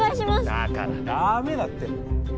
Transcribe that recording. だからダメだって。